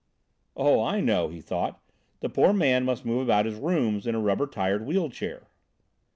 "Oh, I know," he thought; "the poor man must move about his rooms in a rubber tired wheel chair."